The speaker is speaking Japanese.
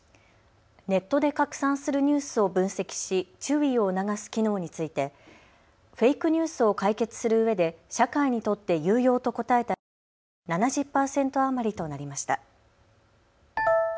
ネットで拡散するニュースを分析し注意を促す機能についてフェイクニュースを解決するうえで社会にとって有用と答えた人が７０％余りとなりました。